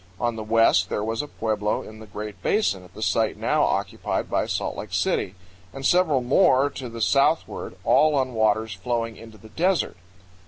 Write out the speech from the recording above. On the west there was a pueblo in the Great Basin at the site now occupied by Salt Lake City, and several more to the southward, all on waters flowing into the desert.